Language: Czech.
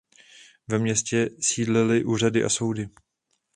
Ve městě sídlily úřady a soudy.